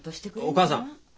お母さん。